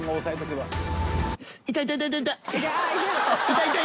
痛い痛い！